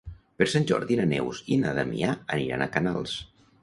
Per Sant Jordi na Neus i na Damià aniran a Canals.